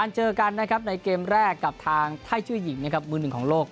เจอกันนะครับในเกมแรกกับทางไทยชื่อหญิงนะครับมือหนึ่งของโลก